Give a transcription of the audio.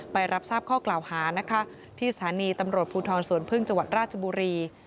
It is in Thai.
ไปรับทราบข้อกล่าวหานะคะที่สถานีตำรวจภูทรสวนพึ่งจังหวัดราชบุรี